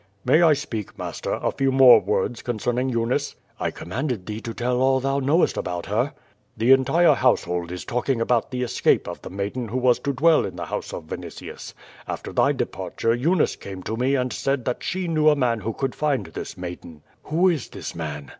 "May I speak, master, a few more words concerning Eu nice?" "I commanded thee to tell all thou knowest about her." "The entire household is talking about the escape of the maiden who was to dwell in the house of Vinitius. After thy departure Eunice came to me and said that she knew a man who could find this maiden." "Who is this man?"